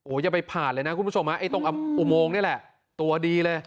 อย่าไปผ่านเลยนะคุณผู้ชมไอ้ตรงอุโมงนี่แหละตัวดีเลย